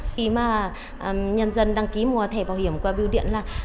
khi mà nhà dân đăng ký mua thẻ bảo hiểm qua biểu điện là